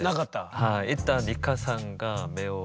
はい。